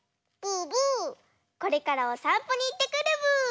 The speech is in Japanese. これからおさんぽにいってくるブー。